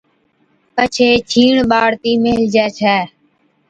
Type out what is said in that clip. پڇي ڇِيڻا ٻاڙتِي ميلهجي ڇَي